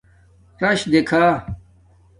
راش دیکھ